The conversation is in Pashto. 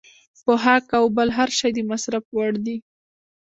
پوښاک او بل هر شی د مصرف وړ دی.